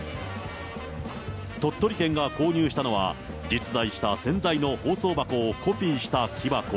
鳥取県が購入したのは、実在した洗剤の包装箱をコピーした木箱。